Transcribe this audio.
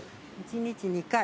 １日２回。